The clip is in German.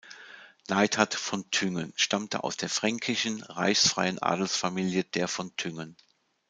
Neidhardt von Thüngen stammte aus der fränkischen reichsfreien Adelsfamilie der von Thüngen.